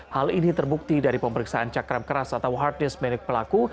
hal ini terbukti dari pemeriksaan cakram keras atau hard disk milik pelaku